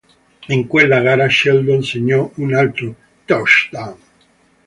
In quella gara Sheldon segnò un altro touchdown.